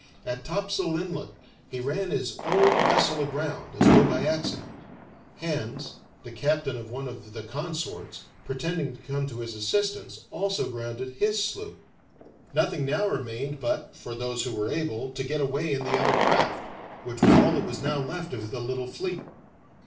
At Topsail Inlet he ran his own vessel aground, as though by accident. Hands, the captain of one of the consorts, pretending to come to his assistance, also grounded his sloop. Nothing now remained but for those who were able to get away in the other craft, which was all that was now left of the little fleet.